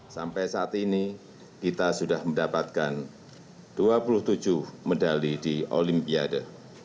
sampai saat ini kita sudah mendapatkan dua puluh tujuh medali di olimpiade